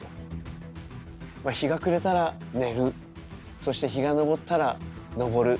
まあ日が暮れたら寝るそして日が昇ったら登る。